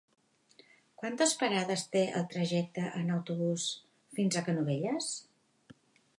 Quantes parades té el trajecte en autobús fins a Canovelles?